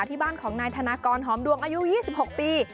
ที่บ้านของนายธนากรหอมดวงอายุ๒๖ปี